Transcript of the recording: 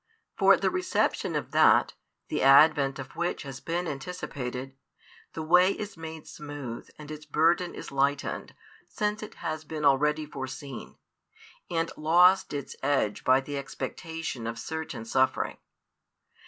For the reception of that, the advent of which has been anticipated, the way is made smooth and its burden is lightened, since it has been already foreseen, and lost its edge by the expectation of certain suffering.